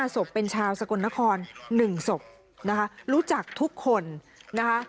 ศพเป็นชาวสกลนคร๑ศพนะคะรู้จักทุกคนนะคะ